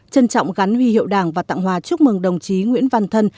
trân trọng gắn huy hiệu đảng và tặng hòa chúc mừng đồng chí nguyễn văn thân